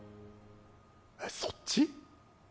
えそっち？